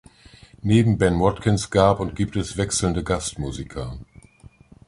Neben Ben Watkins gab und gibt es wechselnde Gastmusiker.